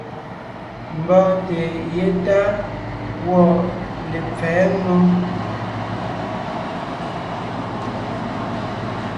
Mbɔ́ɔnte yétá gwɔ̂ lepfɛ̌ mmó.